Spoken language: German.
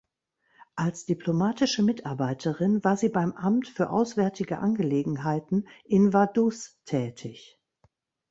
Als Diplomatische Mitarbeiterin war sie beim Amt für Auswärtige Angelegenheiten in Vaduz tätig.